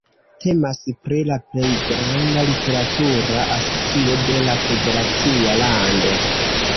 Temas pri la plej granda literatura asocio de la federacia lando.